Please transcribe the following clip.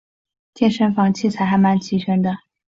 健身房器材还蛮齐全的